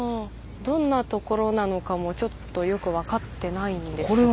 どんな所なのかもちょっとよく分かってないんですが。